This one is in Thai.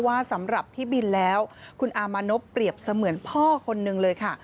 สำหรับพี่บินแล้วคุณอามานพเปรียบเสมือนพ่อคนนึงเลยค่ะ